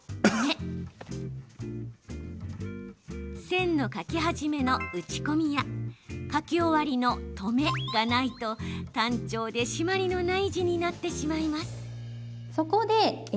線の書き始めの打ち込みや書き終わりの止めがないと単調で締まりのない字になってしまいます。